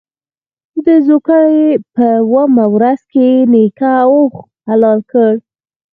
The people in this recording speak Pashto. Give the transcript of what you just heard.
د زوکړ ې په اوومه ورځ یې نیکه اوښ حلال کړ.